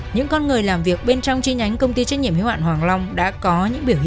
những con người làm việc bên trong chi nhánh công ty trách nhiệm hiếu hạn hoàng long đã có những biểu hiện